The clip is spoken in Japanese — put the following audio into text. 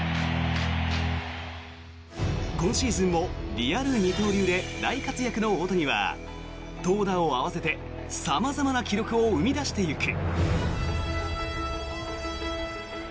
今シーズンもリアル二刀流で大活躍の大谷は投打を合わせて様々な記録を生み出していく。